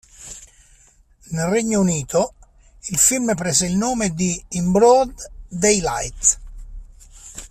Nel Regno Unito, il film prese il nome di "In Broad Daylight".